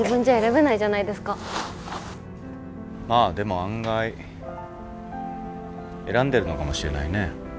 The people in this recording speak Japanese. まあでも案外選んでるのかもしれないね。